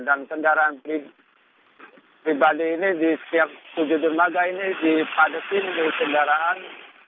dan kendaraan pribadi ini di setiap tujuh dermaga ini dipadati dengan kendaraan